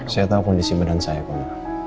saya tahu kondisi badan saya kok